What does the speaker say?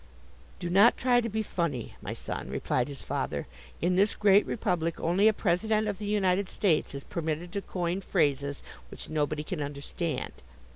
"Do not try to be funny, my son," replied his father, "in this great republic only a President of the United States is permitted to coin phrases which nobody can understand.